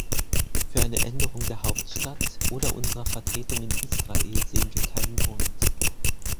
Für eine Änderung der Hauptstadt oder unserer Vertretung in Israel sehen wir keinen Grund.